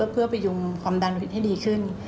เพื่อไปยุ่มความดันวิธิให้ดีขึ้น